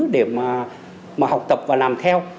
để mà học tập và làm theo